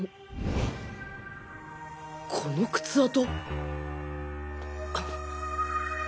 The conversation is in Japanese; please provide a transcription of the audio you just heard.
この靴跡